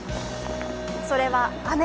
それは雨。